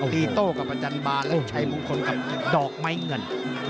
ตีโต้กับอาจารย์บานแล้วชายมุงคลกับดอกไม้เงิน